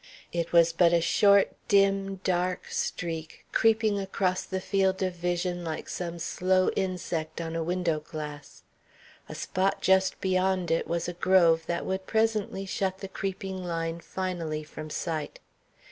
It was but a short, dim, dark streak, creeping across the field of vision like some slow insect on a window glass. A spot just beyond it was a grove that would presently shut the creeping line finally from sight.